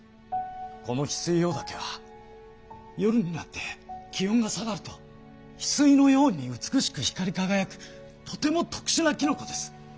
このヒスイオオダケは夜になって気温が下がるとヒスイのように美しく光りかがやくとても特しゅなキノコです。